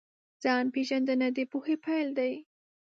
ځان پېژندنه د پوهې پیل دی.